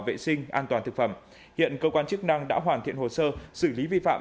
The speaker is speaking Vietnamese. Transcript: vệ sinh an toàn thực phẩm hiện cơ quan chức năng đã hoàn thiện hồ sơ xử lý vi phạm